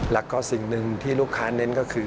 แล้วก็สิ่งหนึ่งที่ลูกค้าเน้นก็คือ